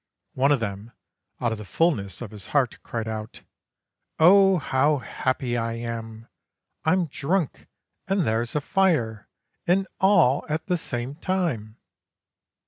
One of them, out of the fulness of his heart, cried out: "Oh, how happy I am! I'm drunk, and there's a fire, and all at the same time!"